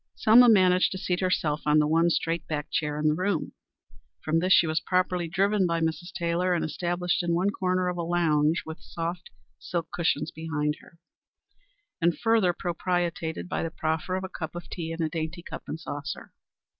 Selma managed to seat herself on the one straight backed chair in the room. From this she was promptly driven by Mrs. Taylor and established in one corner of a lounge with a soft silk cushion behind her, and further propitiated by the proffer of a cup of tea in a dainty cup and saucer.